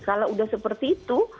kalau udah seperti itu